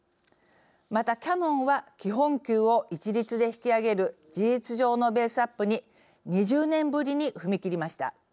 また、キヤノンは基本給を一律で引き上げる事実上のベースアップに２０年ぶりに踏み切りました。